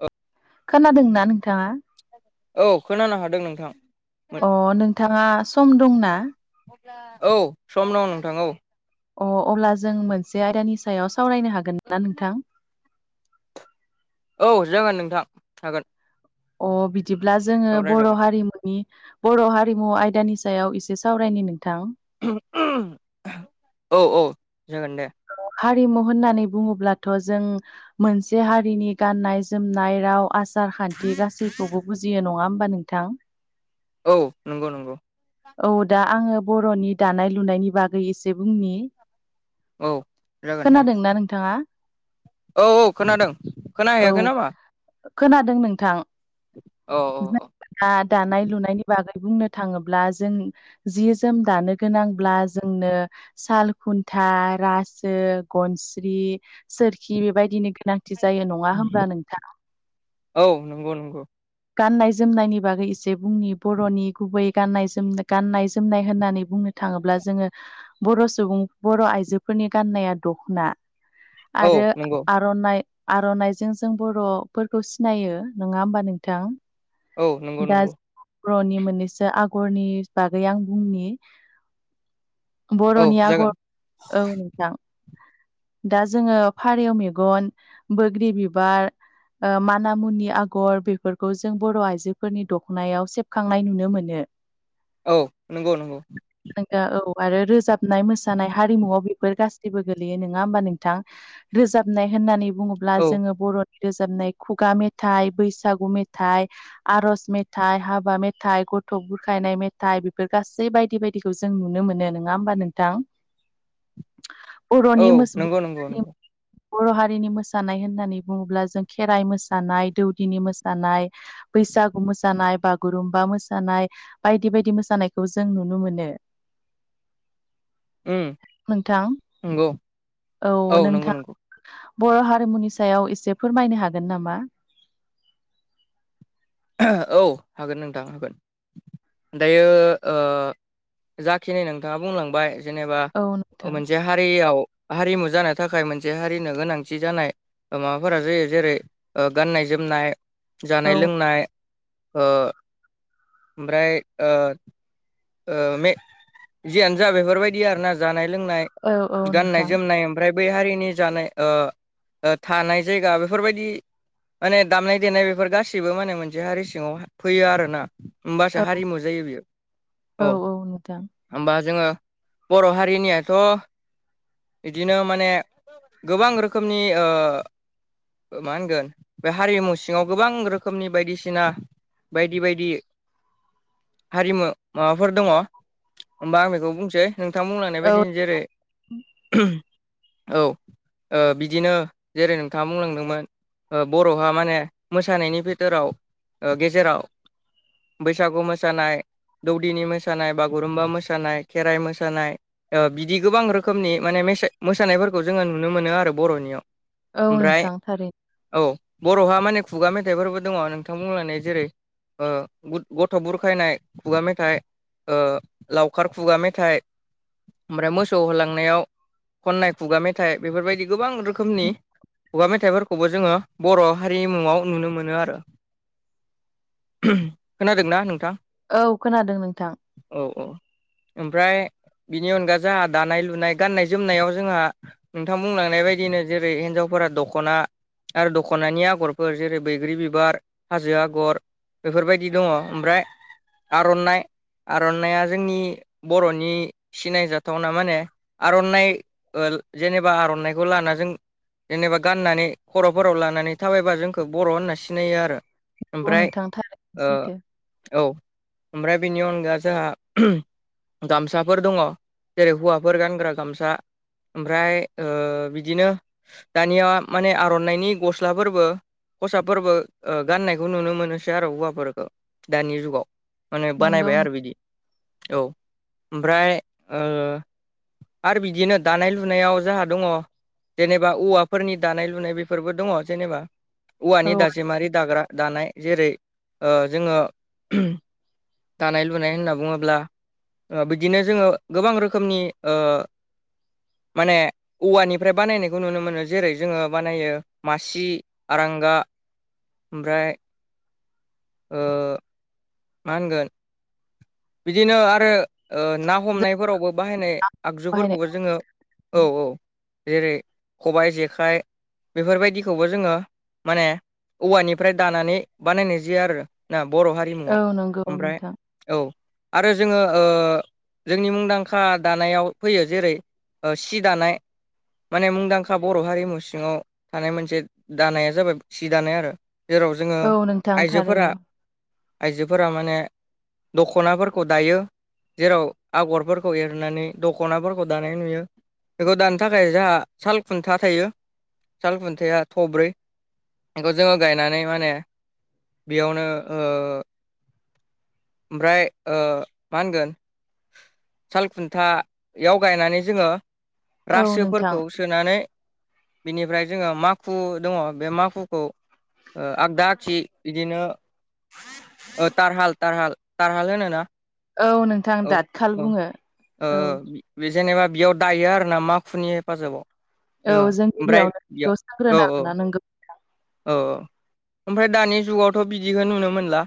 औ खोनादोंना नोंथाङा? औ खोनानो हादों नोंथां। अ नोंथाङा सम दंना? औ सम दं नोंथां औ। अ अब्ला जों मोनसे आयदानि सायाव सावरायनो हागोन ना नोंथां? औ जागोन नोंथां हागोन। अ बिदिब्ला जोङो औ बर' रायलायगोन हारिमु नि बर' हारिमु आयदानि सायाव एसे सावरायनि नोंथां। [inaudible] औ औ जागोन दे। औ हारिमु होननानै बुङोब्लाथ' जों मोनसे हारिनि गाननाय-जोमनाय, राव, आसार-खान्थि गासैखौबो बुजियो नङा होमबा नोंथां। औ नंगौ नंगौ। औ दा आङो बर'नि दानाय लुनायनि बागै एसे बुंनि। औ जागोन दे खोनादोंना नोंथाङा? औ औ खोनादों औ खोनाहैयाखै ना मा? खोनादों नोंथां। औ औ औ ना दानाय लुनायनि बागै बुंनो थाङो ब्ला जों जि जोम दानो गोनांब्ला जोंनो साल खुन्था रासो गनस्रि सोरखि बेबायदिनो गोनांथि जायो नङा होमब्ला नोंथाङा औ नंगौ नंगौ गाननाय जोमनायनि बागै एसे बुंनि बर'नि गुबै गाननाय जोम गाननाय जोमनाय होननानै बुंनो थाङोब्ला जोङो बर' सुबुं बर' आइजोफोरनि गाननाया दखना औ आरो नंगौ आर'नाइ आर'नाइजों जों बर'फोरखौ सिनायो नङा होनबा नों थां औ नंगौ दा नंगौ बर'नि मोननैसो आगरनि बागै आं बुंनि औ बर'नि जागोन आगर औ नोंथां दा जोङो फारौ मेगन बोग्रि बिबार ओ माना मुनि आगर बेफोरखौ जों बर' आइजोफोरनि दखनायाव सेबखांनाय नुनो मोनो। [inaudible] औ नंगौ नंगौ नोंगौ औ आरो रोजाबनाय मोसानाय हारिमुआव बेफोर गासैबो गोलैयो। नङा होमबा नोंथां रोजाबनाय होननानै बुङोब्ला औ जोङो बर' रोजाबनाय खुगा मेथाइ बैसागु मेथाइ आरज मेथाइ हाबा मेथाइ गथ' बुरखायनाय मेथाइ बेफोर गासै बायदि बायदि इखौ जों नुनो मोनो नङा ओमबा नोंथां औ बर'नि मोसौ [inaudible] नंगौ नंगौ नंगौ बर' हारिनि मोसानाय होननानै बुङोब्ला जों खेराइ मोसानाय दौदिनि मोसानाय बैसागु मोसानाय बागुरुमबा मोसानाय बायदि बायदि मोसानायखौ जों नुनो मोनो उम नोंथां नंगौ औ नंगौ नोंथां नंगौ बर' हारिमुनि सायाव एसे फोरमायनो हागोन नामा औ हागोन नोंथां हागोन दायो ओ जाखिनि नोंथाङा बुंलांबाय जेनेबा औ नोंथां मोनसे हारियाव हारिमु जानो थाखाय मोनसे हारिनो गोनांथि जानाय माबाफोरा जायो जेरै गाननाय जोमनाय जानाय औ लोंनाय ओ ओमफ्राय ओ ओ मे जियानो जा बेफोरबायदि आरोना जानाय लोंनाय औ औ गाननाय नोंथां जोमनाय ओमफ्राय बै हारिनि जानाय ओ थानाय जायगा बेफोरबायदि माने दामनाय देनाय बेफोर गासैबो माने मोनसे हारि सिङाव फैयो आरोना औ होमबासो हारिमु जायो बियो औ औ नोंथां होमबा जोङो बर' हारिनियाथ' इदिनो माने गोबां रोखोमनि ओ मा होनगोन बे हारिमु सिङाव गोबां रोखोमनि बायदिसिना बायदि बायदि हारिमु माबाफोर दङ ओमबा आं बेखौ बुंसै नोंथां बुंलानाय औ बायदिनो जेरै औ ओ बिदिनो जेरै नोंथाङा बुंलांदोंमोन बर'हा माने मोसानायनि बितराव ओ गेजेराव बैसागु मोसानाय दौदिनि मोसानाय बागुरुम्बा मोसानाय खेराइ मोसानाय ओ‌ बिदि गोबां रोखोमनि माने मोसानायफोरखौ जोङो नुनो मोनो आरो बर'नियाव औ ओमफ्राय नोंथां थारैनो औ बर'हा माने खुगा मेथाइफोरबो दङ नोंथां बुंलांनाय जेरै ओ गथ' बुरखायनाय खुगा मेथाइ लावखार खुगा मेथाइ ओमफ्राय मोसौ होलांनायाव खननाय खुगा मेथाइ बेफोरबायदि गोबां रोखोम रोखोमनि खुगा मेथाइफोरखौबो जोङो बर' हारिमुङाव नुनो मोनो आरो खोनादोंना नोंथां औ खोनादों नोंथां औ औ ओमफ्राय बिनि अनगा जोंहा दानाय लुनाय गान्नाय जोमनायाव जोंहा नोंथां बुंलांनाय बायदिनो जेरै हिन्जावफोरा दख'ना आरो दख'नानि आगरफोर जेरै बैग्रि बिबार हाजो आगर बेफोरबायदि दङ ओमफ्राय आर'नाइ आर'नाइया जोंनि बर'नि सिनायजाथावना माने आर'नाइ जेनेबा आर'नाइखौ लाना जों जेनेबा गाननानै खर'फोराव लानानै थाबायबा जोंखौ बर' होनना सिनायो आरो औ ओमफ्राय नोंथां थारैनो सैथो औ ओमफ्राय बेनि अनगा जोंहा गामसाफोर दङ जेरै हौवाफोर गानग्रा गामसा ओमफ्राय बिदिनो दानिया माने आर'नाइनि गस्लाफोरबो खसाबफोरबो गाननायखौ नुनो मोनोसै आरो हौवाफोरफोरखौ दानि जुगाव माने नंगौ बानायबाय आरो बिदि औ ओमफ्राय आरो बिदिनो दानाय लुनायाव जोंहा दङ जेनेबा औवाफोरनि दानाय लुनाय बेफोरबो दङ जेनेबा नोंथां औवानि औ दाजेमारि दाग्रा दानाय जेरै जोङो दानाय लुनाय होनना बुङोब्ला बिदिनो जोङो गोबां रोखोमनि माने औवानिफ्राय बानायनायखौ नुनो मोनो जेरै जोङो बानायो मासि आरांगा ओमफ्राय ओ मा होनगोन बिदिनो आरो ना जों हमनायफोरावबो बाहायनाय बाहायनाय आगजुफोरखौबो जोङो औ औ जेरै खबाइ जेखाइ बेफोरबायदिखौबो जोङो माने औवानिफ्राय दानानै बानायनाय जायो आरो ना बर' हारि औ नंगौ नोंथां औ आरो जोङो जोंनि मुंदांखा दानायाव फैयो जेरै औ सि दानाय माने मुंदांखा बर' हारिमु सिङाव थानाय मोनसे दानाया जाबाय सि दानाय आरो जेराव जोङो औ नोंथां आइजोफोरा थारैनो आइजोफोरा माने दख'नाफोरखौ दायो जेराव आगरफोरखौ एरनानै दख'नाफोरखौ दानाय नुयो बेखौ दानो थाखाय जोंहा साल खुन्था थायो साल खुन्थाया थब्रै बेखौ जोङो गायनानै माने बेयावनो ओ ओमफ्राय ओ मा होनगोन सालखुन्थायाव गायनानै जोङो औ नोंथां रासोफोरखौ सोनानै बेनिफ्राय जोङो माखु दङ बे माखुखौ आगदा आगसि बिदिनो तारहाल तारहाल तारहाल होनो ना औ नोंथां दाथ खाल बुङो ओ औ बे जेनेबा बेयाव दायो आरो ना माखुनि हेफाजाबाव औ जों ओमफ्राय गिबियावनो बेखौ याव औ सांग्रोना औ लानांगौ औ ओमफ्राय दानि जुगावथ' बिदिखौ नुनो मोनला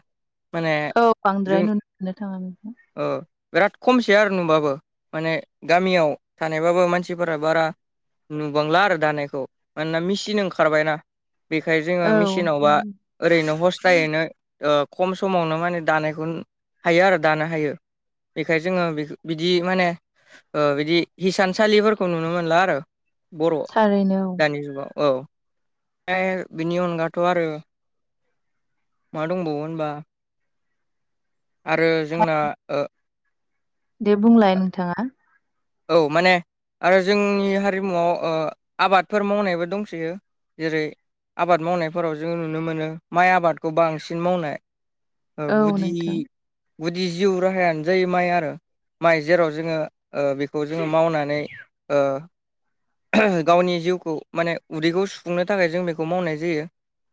माने औ बांद्राय नुनो मोननो थाङा अ बिराद खमसै आरो नुबाबो माने गामियाव थानायबाबो मानसिफोरा बारा नुबांला आरो दानायखौ मानोना मेचिन ओंखारबायनाा बेखायनो जोङो औ मेचिनावबा ओरैनो हस्थायैनो ओ खम समावनो माने दानायखौ हायो आरो दानो हायो बेखाय जोङो बिदि माने औ बिदि हिसानसालिफोरखौ नुनो मोनला आरो बर' थारैनो औ दानि जुगाव औ ओमफ्राय बिनि अनगाथ आरो मा दंबावो होनबा आरो जोंना दे बुंलाय नोंथाङा औ माने आरो जोंनि हारिमुआव ओ आबादफोर मावनायबो दंसैयो जेरै आबाद मावनायफोराव जों नुनो मोनो माइ आबादखौ बांसिन मावनाय औ गुदिनि नोंथां गुदि जिउ राहायानो जायो माइ आरो माइ जेराव जोङो ओ बेखौ खौ जोङो मावनानै ओ गावनि जिउखौ माने उदैखौ सुफुंनो थाखाय जों बेखौ मावनाय जायो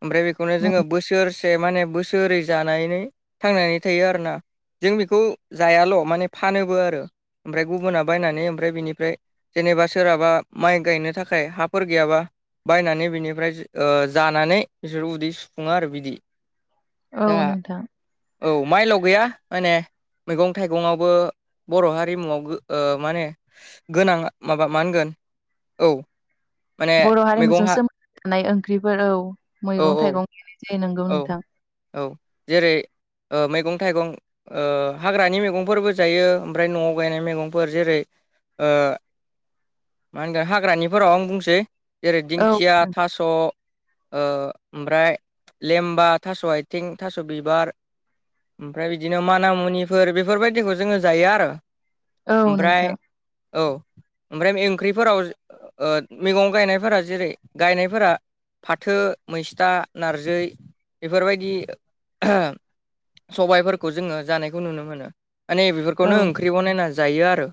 ओमफ्राय बेखौनो जोङो बोसोरसे माने बोसोरै जानानै थांनानै थायो आरोना जों बेखौ जायाल माने फानोबो आरो ओमफ्राय गुबुना बायनानै ओमफ्राय बिनिफ्राय जेनेबा सोरहाबा माइ गायनो थाखाय हाफोर गैयाबा बायनानै बिनिफ्राय ओ जानानै बिसोर उदै सुफुङो आरो बिदि औ दा नोंथां औ माइल गैया माने मैगं थाइगंआवबो बर' हारिमुवाव ओ माने गोनां माबा मा होनगोन औ माने बर' मैगं हारिमुजों हा सोमोन्दो थानाय ओंख्रिफोर औ औ मैगं औ थाइगं गायनाय जायो नंगौ औ नोंथां औ जेरै ओ मैगं थाइगं ओ हाग्रानि मैगंफोरबो जायो ओमफ्राय न'आव गायनाय मैगंफोर जेरै ओ मा होनगोन हाग्रानिफोराव आं बुंसै जेरै औ दिंखिया थास ओ ओमफ्राय लेमबा थास आथिं थास बिबार ओमफ्राय बिदिनो मानामुनिफोर बेफोरबायदिखौ जोङो जायो आरो औ ओमफ्राय नोंथां औ ओमफ्राय ओंख्रिफोराव ओ मैगं गायनायफोरा जेरै गायनायफोरा फाथो मैसथा नारजै बेफोरबायदि सबायफोरखौ जोङो जानायखौ नुनो मोनो माने औ बेफोरखौनो ओंख्रिखौनो ओंख्रि बनायना जायो आरो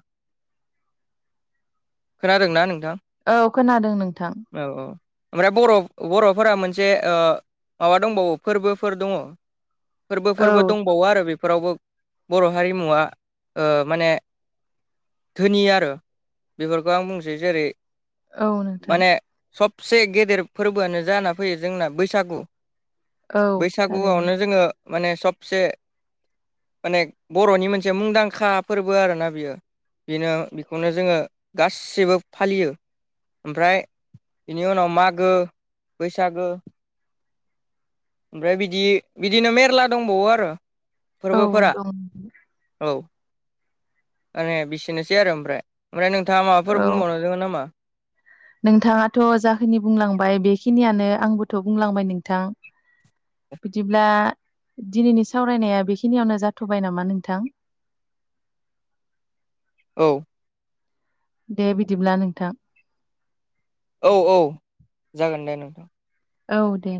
खोनादोंना नोंथां औ खोनादों नोंथां औ औ ओमफ्राय बर' बर'फोरा मोनसे ओ माबा दंबावो फोरबोफोर दङ औ फोरबोफोरबो दंबावो आरो बे फोरावबो बर' हारिमुवा माने धोनि आरो बेफोरखौ आं बुंसै जेरै औ नोंथां माने सबसे गेदेर फोरबोआनो जाना फैयो जोंना बैसागु औ थारैनो बैसागुआवनो जोङो माने सबसे माने बर'नि मोनसे मुंदांखा फोरबो आरोना बियो बेनो बेखौनो जोङो गासिबो फालियो ओमफ्राय बेनि उनाव मागो बैसागो ओमफ्राय बिदि बिदिनो मेरला दंबावो आरो औ फोरबोफोरा दं औ माने बिसोरनोसै आरो ओमफ्राय ओमफ्राय नोंथाङा माबाफोर औ बुंबावनो दङो नामा नोंथाङाथ जाखिनि बुंलांबाय बेखिनियानो आंबोथ बुंलांबाय नोंथां बिदिब्ला दिनैनि सावरायनाया बेखिनियावनो जाथबाय नामा नोंथां औ दे बिदिब्ला नोंथां औ-औ जागोन दे नोंथां औ दे